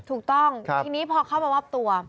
ถูกต้องทีนี้พอเข้ามามอบตัว